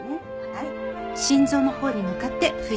はい。